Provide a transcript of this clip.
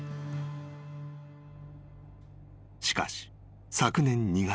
［しかし昨年２月］